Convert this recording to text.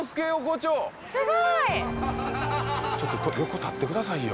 すごいちょっと横立ってくださいよ